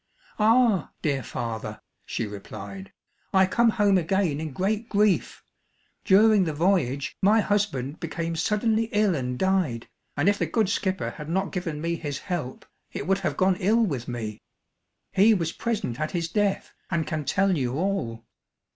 "Ah, dear father," she replied, "I come home again in great grief; during the voyage, my husband became suddenly ill and died, and if the good skipper had not given me his help, it would have gone ill with me. He was present at his death, and can tell you all."